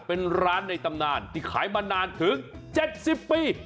เป็นร้านในตำนานที่ขายมานานถึง๗๐ปี